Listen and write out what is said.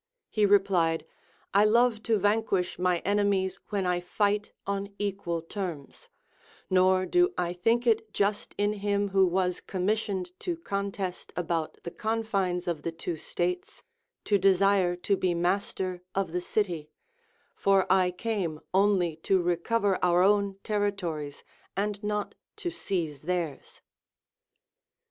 He replied : I love to vanquish my enemies when I fight on equal terms ; nor do I think it just in him who was commissioned to contest about the confines of the two states, to desire to be master of the city ; for I came only to recover our own territories and not to seize theirs.